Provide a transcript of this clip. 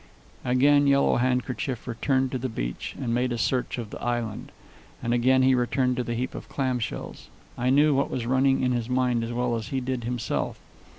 Again Yellow Handkerchief returned to the beach and made a search of the island, and again he returned to the heap of clam shells. I knew what was running in his mind as well as he did himself.